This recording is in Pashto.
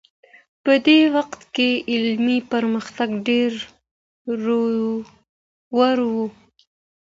په دې وخت کي علمي پرمختګ ډېر ورو و.